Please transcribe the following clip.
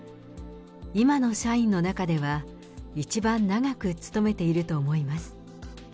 今の社員の中では一番長く勤めていると思います。